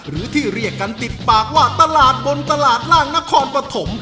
หรือที่เรียกกันติดปากว่าตลาดบนตลาดร่างนครปฐม